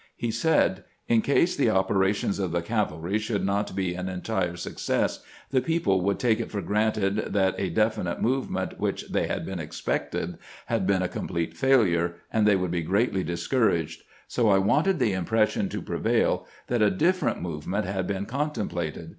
He said :" In case the operations of the cavalry should not be an entire success, the people would take it for granted that a defi nite movement which they had been expecting had been a complete failure, and they would be greatly discou 412 CAMPAIGNING WITH GRANT raged. So I wanted the impression to prevail that a different movement had been contemplated.